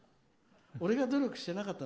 俺が努力してなかった。